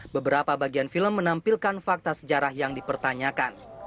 beberapa bagian film menampilkan fakta sejarah yang dipertanyakan